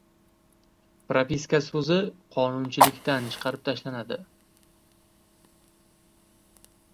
“Propiska” so‘zi qonunchilikdan chiqarib tashlanadi